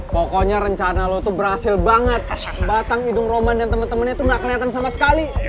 pokoknya rencana lo tuh berhasil banget batang hidung roman dan temen temennya tuh gak kelihatan sama sekali